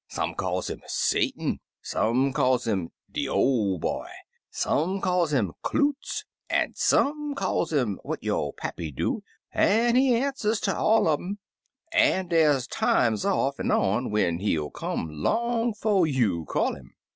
Some calls 'im Satan, some calls 'im de 01' Boy, some calls *im Cloots, an' some calls 'im what yo' pappy do, an' he answers ter all un um; an' dey's times off an' on, when he'll come long 'fo' you call 'im.